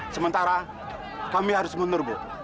sementara kami harus mundur bu